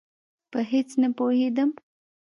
په هېڅ نه پوهېدم.